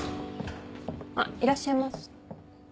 あいらっしゃいま。